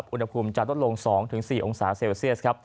อุณหภูมิจะลดลง๒๔องศาเซลเซียสครับ